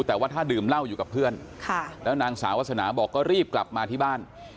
แต่ว่าถ้าดื่มเหล้าอยู่กับเพื่อนแล้วนางสาววาสนาบอกก็รีบกลับมาที่บ้าน